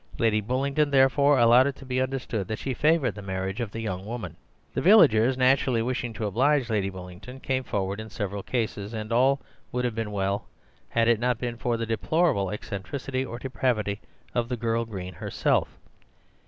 Lady Bullingdon, therefore, allowed it to be understood that she favoured the marriage of the young woman. The villagers, naturally wishing to oblige Lady Bullingdon, came forward in several cases; and all would have been well had it not been for the deplorable eccentricity or depravity of the girl Green herself.